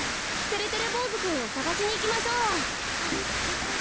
てれてれぼうずくんをさがしにいきましょう。